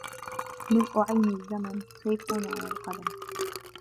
ملء عين الزّمن سيفنا والقلم